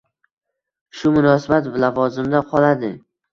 Shu munosiblar lavozimida qoladi.